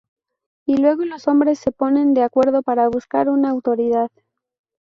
Y luego los Hombres se ponen de acuerdo para buscar una autoridad.